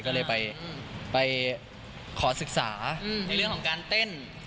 ก็เลยไปขอศึกษาในเรื่องของการเต้น